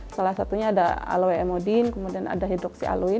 salah satunya ada aloe modin kemudian ada hidroksi aloin